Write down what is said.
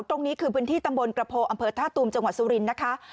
ตรงนี้คือพื้นที่ตำบลกระโพอำเภอท่าตูมจังหวัดสุรินทร์นะคะ